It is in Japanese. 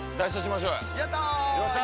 やった！